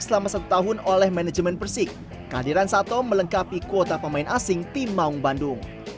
selama satu tahun oleh manajemen persik kehadiran sato melengkapi kuota pemain asing tim maung bandung